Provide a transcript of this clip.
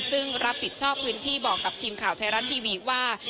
ซึ่งรับผิดชอบพื้นที่บอกกับทีมข่าวไทยรัฐทีวีว่า